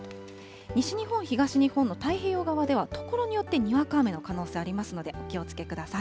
西日本、東日本の太平洋側では所によってにわか雨の可能性ありますので、お気をつけください。